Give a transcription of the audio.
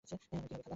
আমার কি হবে, খালা?